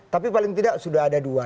tapi paling tidak sudah ada dua